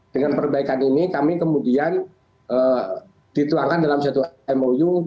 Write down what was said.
dengan perbaikan ini kami kemudian dituangkan dalam satu mou